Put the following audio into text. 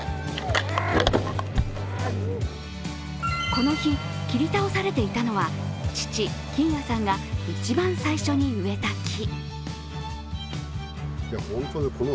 この日、切り倒されていたのは、父・金彌さんが一番最初に植えた木。